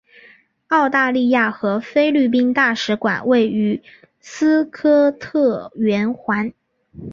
澳大利亚和菲律宾大使馆位于斯科特圆环。